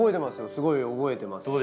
すごい覚えてますし。